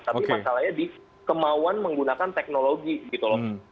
tapi masalahnya di kemauan menggunakan teknologi gitu loh